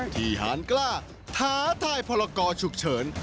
ที่หารกล้าท้าท่ายพละกอชุกเฉิน